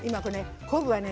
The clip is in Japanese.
昆布はね